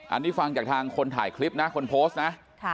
อันนี้ฟังจากทางคนถ่ายคลิปนะคนโพสต์นะ